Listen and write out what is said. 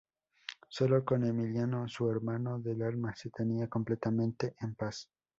Sólo con Emiliano, su hermano del alma, se sentía completamente en paz.